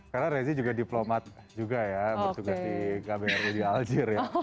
karena rezi juga diplomat juga ya bertugas di kbri di aljir ya